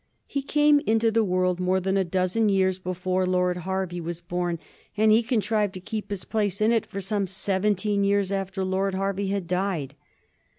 He came into the world more than a dozen years before Lord Hervey was born, and he contrived to keep his place in it for some seventeen years after Lord Hervey had died.